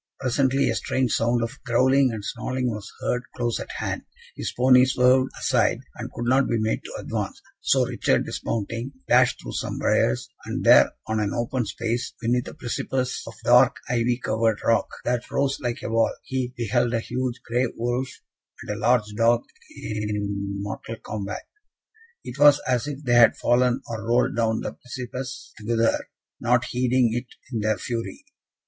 Presently, a strange sound of growling and snarling was heard close at hand: his pony swerved aside, and could not be made to advance; so Richard, dismounting, dashed through some briars, and there, on an open space, beneath a precipice of dark ivy covered rock, that rose like a wall, he beheld a huge grey wolf and a large dog in mortal combat. It was as if they had fallen or rolled down the precipice together, not heeding it in their fury.